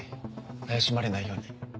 怪しまれないように。